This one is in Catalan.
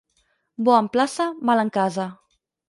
Bo en plaça, mal en casa.